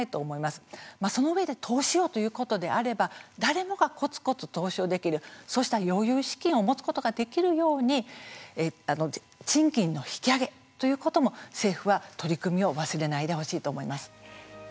そのうえで投資をということであれば誰もがこつこつ投資をできるそうした余裕資金を持つことができるように賃金の引き上げということも政府は取り組みを今井純子解説委員でした。